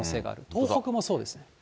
東北もそうです。